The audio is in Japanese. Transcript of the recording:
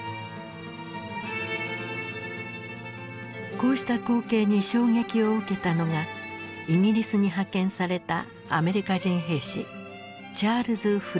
こうした光景に衝撃を受けたのがイギリスに派遣されたアメリカ人兵士チャールズ・フリッツだった。